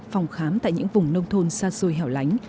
phòng khám tại những vùng nông thôn xa xôi hẻo lánh